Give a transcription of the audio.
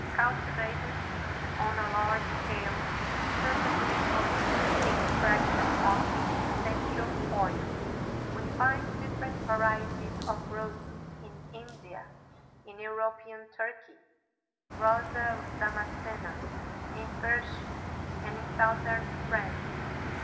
Cultivated on a large scale exclusively for the extraction of the essential oil, we find different varieties of roses in India, in European Turkey (Rosa Damascena), in Persia, and in Southern France.